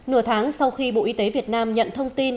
nửa tháng sau khi bộ y tế việt nam nhận thông tin